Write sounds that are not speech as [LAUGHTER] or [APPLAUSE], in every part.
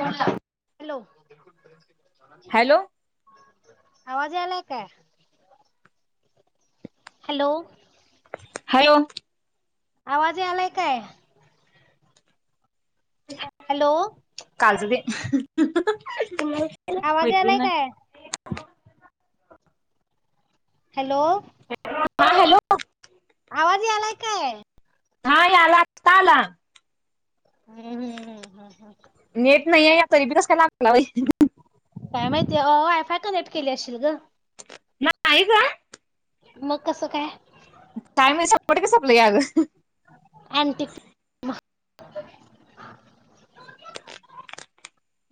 Hello hello [INAUDIBLE] आवाज आलाय का हॅलो हॅलो आवाज आलाय काय हॅलो कालचं ते आवाज मैत्रीण आलाय नाही. काय हॅलो हा हॅलो आवाज यालाय काय हा यायला आता आला हम्म हम् हम्म हम् हम् नेट नाही आहे या तरी बी कस काय लागलाई काय माहितीय अ वायफाय कनेक्ट केली असशील ग नाही ग मग कसं काय काय माहित शंभर टक्के सपल याग अंट [UNINTELLIGIBLE]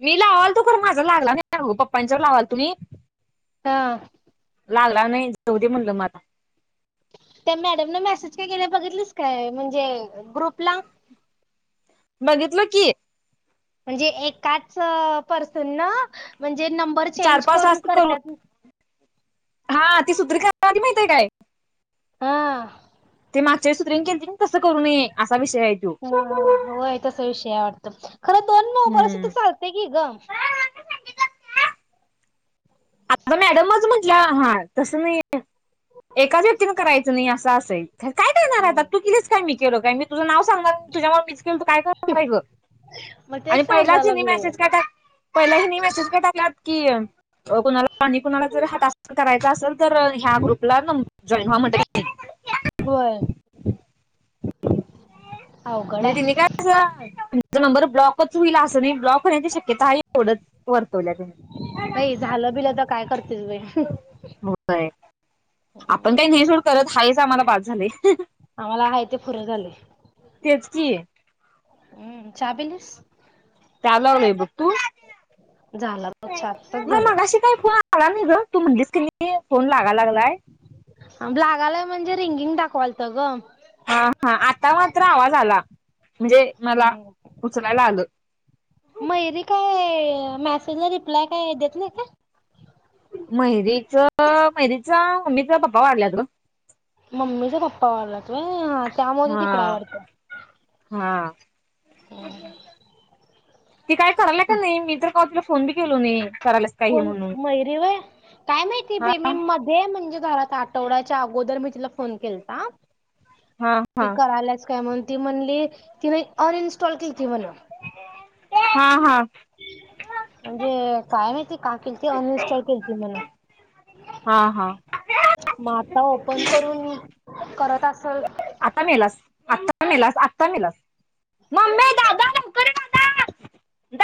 मी लावाल तू प माझा लागला नाहीग पप्पांच्यावर लावाल तुम्ही हा लागला नाही जाऊ दे म्हणलं मग आता त्या मॅडम न मेसेज काय केल्या बघितलीस काय म्हणजे ग्रुपला बघितलं की म्हणजे एकाच पर्सन न नंबर चार चेंज पाच करून वाजत करू करतात हा ती सत्री खण्या आधी माहतीय काय हा माच्या सुत्रिंग के तसं करूनये ह हो तस विषय आ वाडत त खरं दोन नऊ वर्स हम्म तर चालते की ग आता मॅडमच म्हटलं हा तसं नाही एकाच व्यक्तीने करायचं नाही असं असेल तर काय टणार आताात हम्म तू केलेस का म केो काय म तुझं नाव सांगा तुझ्यामुळे मिीच केल तू काय करणार आहे ग मग आणि तेच सांगाय पहिलाच ह लागलोय मेसेज काता पहिलाही नाही मेसेज का टाकलात की कुणाला आणि कुणाला जर हा तासर करायचा असेल तर ह्या ग्रुपला न जॉईन व म्हणत होय अवघड म्हणजे आहे तिने काय असा नबर ब्लाॉक चला असं नाही ब्ॉकण्या त ओडत पररतल बाई झालं बिलं तर काय करते त होय आपण काही ने सोड करत आहेाच आम्हाला बाद झाले आम्हाला आहे ते पूर्ण झाले तेच कि हम्म चाबलीस ला ब त झाला बघ चहा आत्ताच म झाला मगशी काही फोन आला नाही ग तू म्हणेच की फोन लागा लागलाय हिंगिंग दाखवालतगो हा हा आता मात्र आवाज आला म्हणजे मला हम्म उचलायला आलं मयुरी काय मेसेजला रिप्लाय काय देत नाही का मैरीच मैरीचा मम्मीचा पप्पा वाढला त मम्मीच पप्पा वारलात व्हय. त्यामुळे ती हा तिकडं आहे वाटतं हा ती काय करायला का नाही. मी इतर का फोन बी केलो नई. कोण मयुरी व्हय. काय माहिती हा बई मी मध्ये म्हणजे पार आता आठवडाच्या अगोदर मी तिला फोन केलता. हा ती हा करालाच काय म्हणून ती म्हणली तिमही ऑरेंजस्टॉल घेती म्हण. हा हा म्हणजे काय माहिती का केलती. अनइनस्टॉल केलती म्हण. हा हा आता ओपन करून करत असल आता मेलास. आत्ता मेलास. आत्ता मेलास. मम्मे दादा लवकर ये दादा.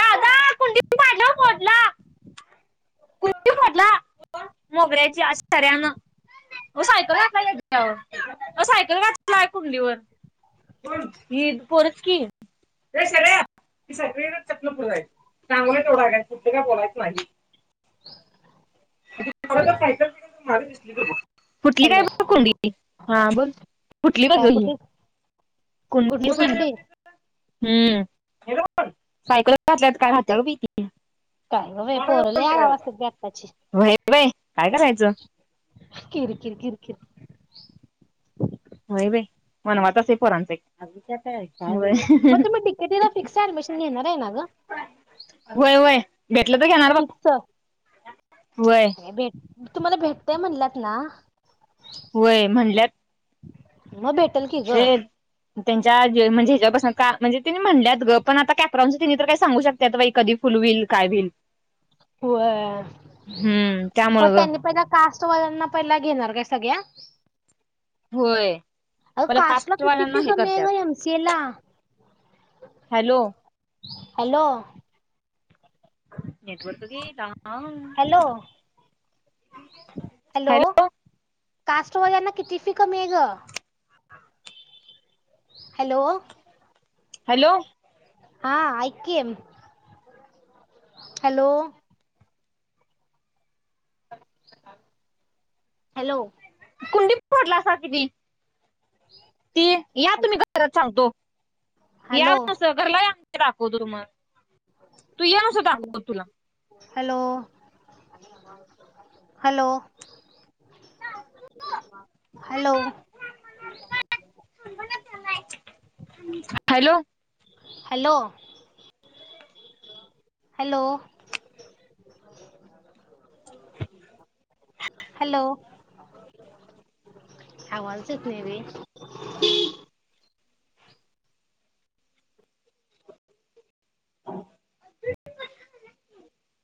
दादा कुंडी कुंडी फोडला मोगऱ्याची. अ शऱ्यान सायकल घातलाय याच्यावर सायकल घातलाय कुंडीवर. कोण ही पोरच कि, ये शरर्या ही सायकल घ्यायची पुढे जायचं. चांगले तोडा घ्यायचे. ते काय बोलायच माझी [INAUDIBLE] [UNINTELLIGIBLE] फुटली काय हॅलो बघ कुंडी हा बोल फुटली बघ काय ग ही कुठली कुंडी हम्म हॅलो सायकल घातल्यात काय हात [UNINTELLIGIBLE] काय ग पोर लई आ वासतात बई आत्ताची. व्हय व्हय काय करायचं? किर किर किर किर होय बाई वनवातच आहे पोरांचे. मग तुम्ही डीकेटीला फिक्स ऍडमिशन घेणार आहे ना ग वय वय भेटलं तर घेणार बघ फिक्स वय काय भेट मी तुम्हाला भेटतय म्हणलात ना. होय म्हणल्यात. म भेटल कि ग. ए त्यांच्या म्हणजे ह्याच्या पासन का म्हणजे ते म्हणल्यात ग पण आता कॅप ति तर काही सांगू शकतात कधी फुल होईल काय होईल होय त्यामुळ मग ग त्यांनी पहिल कास पोरांना पहिला घेणार काय सगळ्या. होय अ मला कास्टला कास्टवाल्यांना कतफी हे कमी आहे करत्यात का एम सी एला hello hello network hello hello कास्टवाज्यांना किती फीिकमी आहे ग हॅलो हॅलो हा ऐकम हॅलो हॅलो कुंडी फोडला अस किी ती या तुम्ही घरात सांगतो हॅलो यास घरला राखो तो मग तू या मासं हॅलो दाकव तुला hello hello hello hello hello hello hello आवाजच येत न र